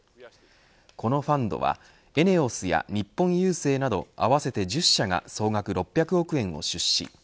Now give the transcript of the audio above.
このファンドはＥＮＥＯＳや日本郵政など合わせて１０社が総額６００億円を出資。